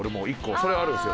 それはあるんですよ。